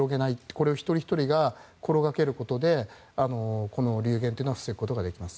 これを一人ひとりが心がけることでこの流言というのは防ぐことができます。